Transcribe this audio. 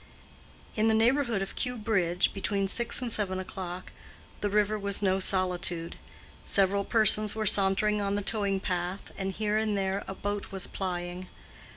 In the neighborhood of Kew Bridge, between six and seven o'clock, the river was no solitude. Several persons were sauntering on the towing path, and here and there a boat was plying.